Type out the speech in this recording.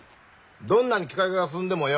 どんなに機械化が進んでもよ